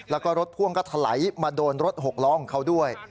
แล้วก็รถพ่วงก็ถลายมาโดนรถหกล้อของเขาด้วย